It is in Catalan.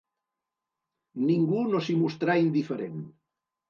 Ningú no s'hi mostrà indiferent.